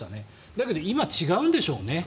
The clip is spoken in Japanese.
だけど、今は違うんでしょうね。